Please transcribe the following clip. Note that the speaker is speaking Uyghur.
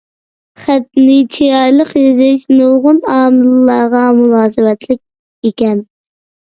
خەتنى چىرايلىق يېزىش نۇرغۇن ئامىللارغا مۇناسىۋەتلىك ئىكەن.